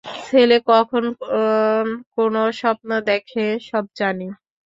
ছেলে কখন কোন স্বপ্ন দেখে, সব জানি।